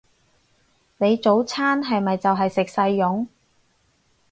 你早餐係咪就係食細蓉？